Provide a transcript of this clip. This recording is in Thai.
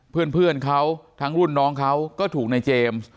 เพื่อนเขาทั้งรุ่นน้องเขาก็ถูกในเจมส์